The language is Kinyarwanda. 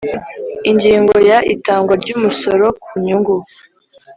Ingingo ya itangwa ry umusoro ku nyungu